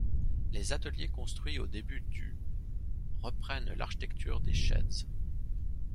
Les ateliers construits au début du reprennent l'architecture des sheds.